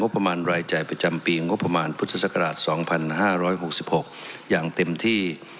ประมาณรายจ่ายประจำปีงบประมาณพุทธศักราช๒๕๖๖อย่างเต็มที่